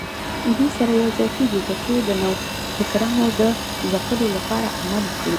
دوی سره یوځای کېږي ترڅو د نوفکرانو د ځپلو لپاره عمل وکړي